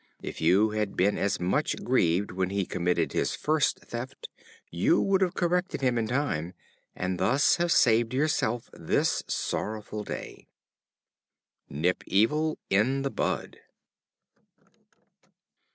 If you had been as much grieved when he committed his first theft, you would have corrected him in time, and thus have saved yourself this sorrowful day." Nip evil in the bud.